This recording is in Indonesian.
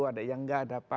ada yang nggak ada apa